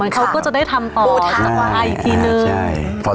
เขาก็จะได้ทำต่ออาอีกทีนึง